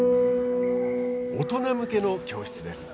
大人向けの教室です。